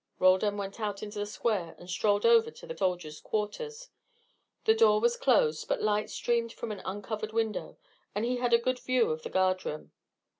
Roldan went out into the square and strolled over to the soldiers' quarters. The door was closed, but light streamed from an uncovered window, and he had a good view of the guard room.